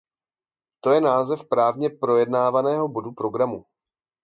To je název právě projednávaného bodu programu.